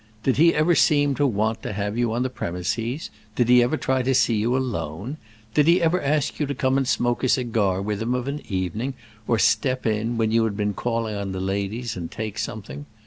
Did he ever seem to want to have you on the premises—did he ever try to see you alone? Did he ever ask you to come and smoke a cigar with him of an evening, or step in, when you had been calling on the ladies, and take something?